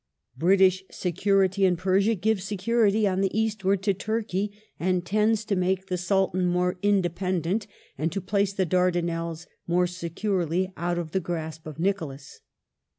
... British security in Persia gives security on the eastward to Turkey and tends to make the Sultan more independent and to place the Dai'danelles more securely out of the grasp of Nicholas."